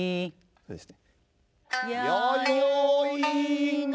そうですね。